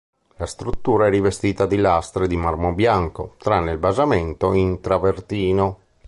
La struttura è rivestita di lastre di marmo bianco, tranne il basamento in travertino.